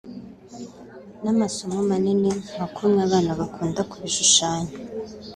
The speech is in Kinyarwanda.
n’amaso manini nka kumwe abana bakunda kubishushanya